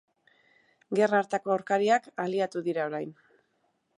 Gerra hartako aurkariak, aliatu dira orain.